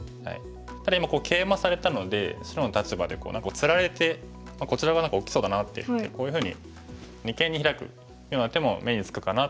ただ今ケイマされたので白の立場でつられてこちら側なんか大きそうだなっていってこういうふうに二間にヒラくような手も目につくかなと思います。